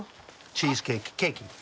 チーズケーキケーキ！